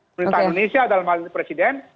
pemerintah indonesia dan presiden